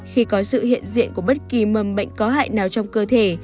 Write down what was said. khi có sự hiện diện của bất kỳ mầm bệnh có hại nào trong cơ thể